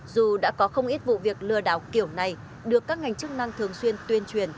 dù đã có không ít vụ việc lừa đảo kiểu này được các ngành chức năng thường xuyên tuyên truyền